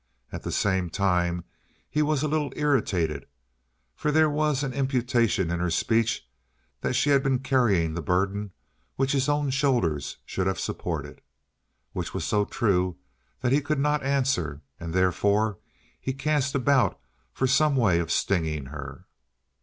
At the same time he was a little irritated, for there was an imputation in her speech that she had been carrying the burden which his own shoulders should have supported. Which was so true that he could not answer, and therefore he cast about for some way of stinging her.